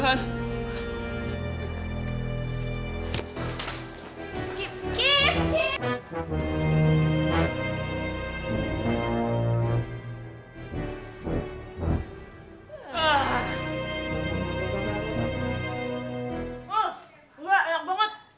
oh enak banget